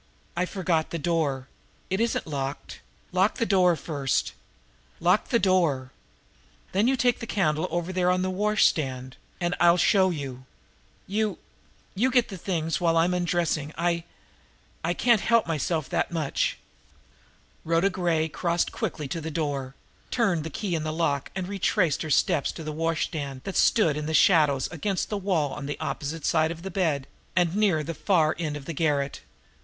I forgot the door! It isn't locked! Lock the door first! Lock the door! Then you take the candle over there on the washstand, and and I'll show you. You you get the things while I'm undressing. I I can help myself that much." Rhoda Gray crossed quickly to the door, turned the key in the lock, and retraced her steps to the washstand that stood in the shadows against the wall on the opposite side from the bed, and near the far end of the garret.